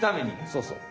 そうそう。